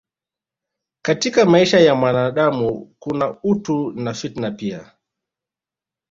Katika maisha ya mwanadamu kuna utu na fitna pia